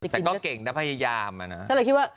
แต่ก็เก่งนะพยายามนะ